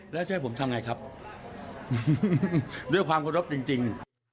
แล้วจะให้ผมทำไงครับด้วยความเคารพจริง